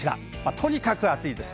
とにかく暑いです。